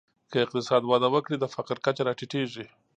که اقتصاد وده وکړي، د فقر کچه راټیټېږي.